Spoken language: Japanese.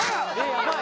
ヤバい